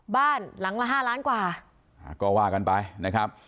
บ้านหลังละห้าล้านกว่าก็ว่ากันไปนะครับ